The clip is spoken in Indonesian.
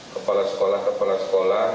kepala sekolah kepala sekolah